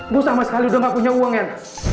gue sama sekali udah gak punya uang yan